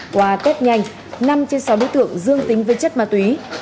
qua test nhanh năm trên sáu đối tượng dương tính với chất ma túy